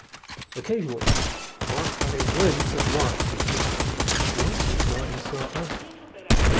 Occasionally, Mark caught a glimpse of Mars or Jupiter. Once he thought he saw Earth.